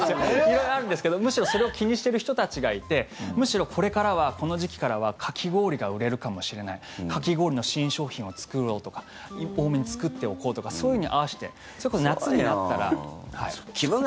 色々あるんですけどむしろそれを気にしている人たちがいてむしろ、これからはこの時期からはかき氷が売れるかもしれないかき氷の新商品を作ろうとか多めに作っておこうとかそういうのに合わせて。